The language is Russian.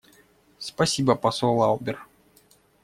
Спасибо, посол Лаубер.